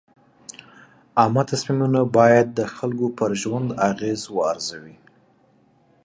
عامه تصمیمونه باید د خلکو پر ژوند اغېز وارزوي.